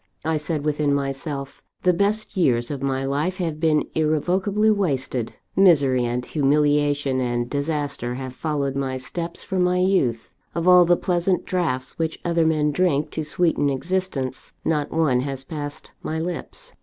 I said within myself: 'The best years of my life have been irrevocably wasted; misery and humiliation and disaster have followed my steps from my youth; of all the pleasant draughts which other men drink to sweeten existence, not one has passed my lips.